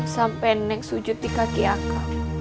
sampai nek sujud di kaki aku